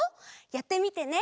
やってみてね。